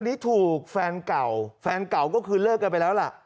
อันนี้ถูกแฟนเก่าแฟนเก่าก็คือเลิกกันไปแล้วล่ะ